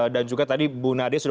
dan juga tadi bu nadia